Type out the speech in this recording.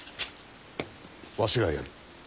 わしがやる。